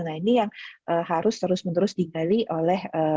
jadi itu adalah hal yang harus terus menerus digali oleh